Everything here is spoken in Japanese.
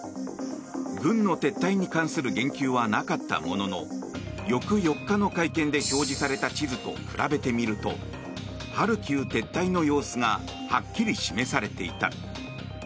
軍の撤退に関する言及はなかったものの翌４日の会見で表示された地図と比べてみるとハルキウ撤退の様子がはっきり示されていた。